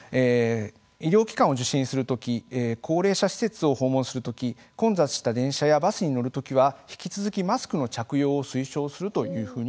医療機関を受診する時高齢者施設を訪問する時混雑した電車やバスに乗る時は引き続きマスクの着用を推奨するというふうになっています。